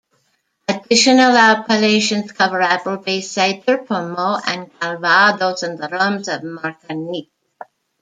Additional appellations cover apple-based cider, pommeau and Calvados, and the rums of Martinique.